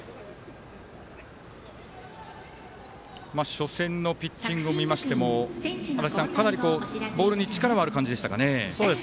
初戦のピッチングを見ましてもかなりボールに力はある感じでしたかね。